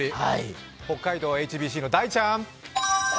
北海道ＨＢＣの大ちゃん。